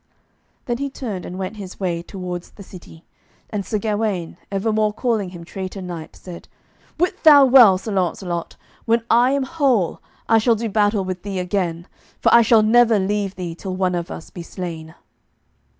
Then he turned and went his way towards the city, and Sir Gawaine, evermore calling him traitor knight, said, "Wit thou well, Sir Launcelot, when I am whole, I shall do battle with thee again; for I shall never leave thee till one of us be slain."